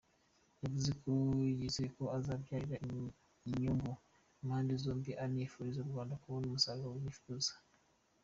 Yavuze ko yizeye ko azabyarira inyungu impande zombi, anifuriza u Rwanda kubona umusaruro rwifuza.